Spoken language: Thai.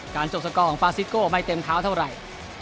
จบสกอร์ของฟาซิโก้ไม่เต็มเท้าเท่าไหร่